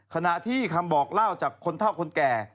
ขณะที่คำบอกเล่าจากคนเท่าคนแก่